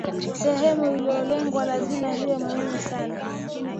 sehemu iliyolengwa lazima iwe muhimu sana